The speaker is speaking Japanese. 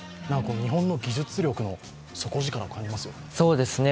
日本の技術力の底力を感じますよね。